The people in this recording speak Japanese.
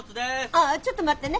ああちょっと待ってね。